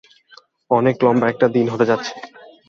অনেক লম্বা একটা দিন হতে যাচ্ছে।